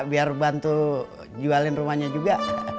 biar bantu jualin rumahnya juga